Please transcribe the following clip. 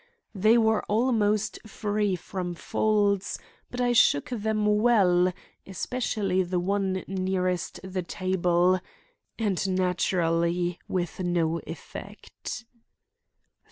They were almost free from folds, but I shook them well, especially the one nearest the table, and naturally with no effect.